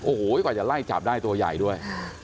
โอ้โหกว่าจะไล่จับได้ตัวใหญ่ด้วย